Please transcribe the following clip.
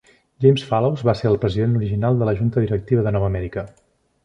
James Fallows va ser el president original de la junta directiva de Nova Amèrica.